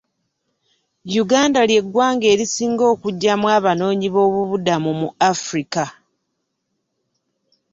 Uganda lye ggwanga erisinga okujjamu abanoonyiboobubudamu mu Africa.